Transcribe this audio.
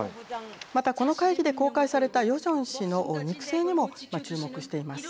また、この会議で公開されたヨジョン氏の肉声にも注目しています。